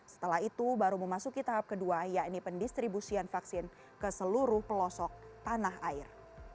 setelah itu baru memasuki tahap kedua yakni pendistribusian vaksin ke seluruh pelosok tanah air